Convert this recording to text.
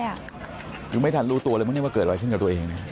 คือไม่ทันรู้ตัวเลยมั้ยว่าเกิดอะไรขึ้นกับตัวเอง